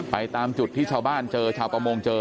ตามจุดที่ชาวบ้านเจอชาวประมงเจอ